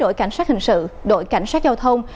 đội cảnh sát hình sự đội cảnh sát giao thông